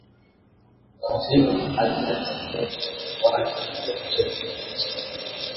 wa atlantiki ya kaskazini walioko mashariki mwa Ulaya